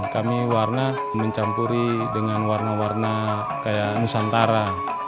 kami warna mencampuri dengan warna warna kayak nusantara